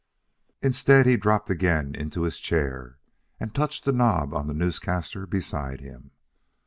Instead he dropped again into his chair and touched a knob on the newscaster beside him.